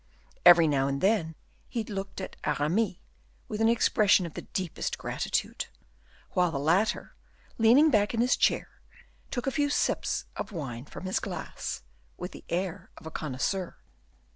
Every now and then he looked at Aramis with an expression of the deepest gratitude; while the latter, leaning back in his chair, took a few sips of wine from his glass, with the air of a connoisseur.